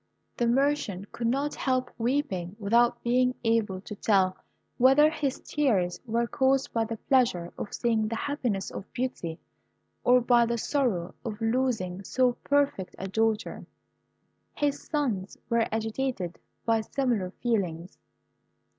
The merchant could not help weeping, without being able to tell whether his tears were caused by the pleasure of seeing the happiness of Beauty, or by the sorrow of losing so perfect a daughter. His sons were agitated by similar feelings.